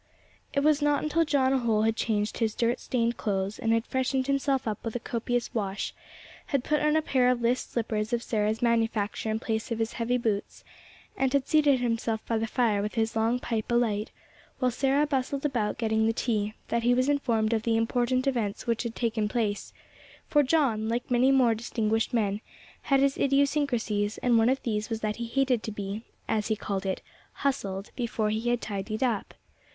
It was not until John Holl had changed his dirt stained clothes, and had freshened himself up with a copious wash, had put on a pair of list slippers of Sarah's manufacture in place of his heavy boots, and had seated himself by the fire with his long pipe alight, while Sarah bustled about getting the tea, that he was informed of the important events which had taken place; for John, like many more distinguished men, had his idiosyncrasies, and one of these was that he hated to be, as he called it, "hustled," before he had tidied up.